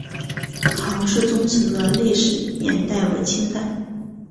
康氏宗祠的历史年代为清代。